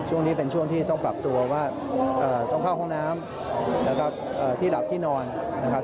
ช่วงนี้เป็นช่วงที่ต้องปรับตัวว่าต้องเข้าห้องน้ำแล้วก็ที่หลับที่นอนนะครับ